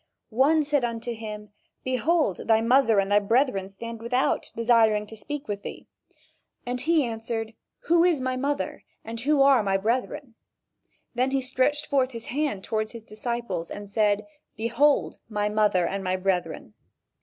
One said unto him: "Behold thy mother and thy brethren stand without, desiring to speak with thee." And he answered: "Who is my mother, and who are my brethren?" Then he stretched forth his hand toward his disciples and said: "Behold my mother and my brethren."